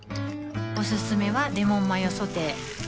おすすめはレモンマヨソテー